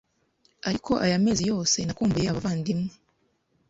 Ariko aya mezi yose nakumbuye abavandimwe